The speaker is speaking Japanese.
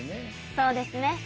そうですね。